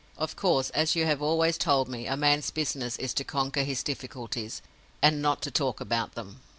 Of course, as you have always told me, a man's business is to conquer his difficulties, and not to talk about them.